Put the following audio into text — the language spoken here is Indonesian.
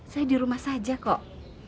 saya di rumah saja kok